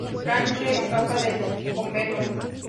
Blanche escapa del convento.